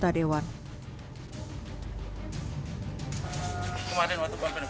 pihaknya berjanjikan menindaklanjuti perbaikan pelayanan